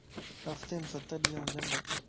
ھفتي مَ ستَ ڏينھن ھونجنتا